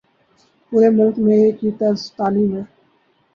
پورے ملک میں ایک ہی طرز تعلیم ہے۔